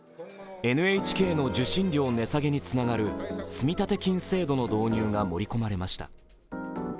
ＮＨＫの受信料値下げにつながる積立金制度の導入が盛り込まれました。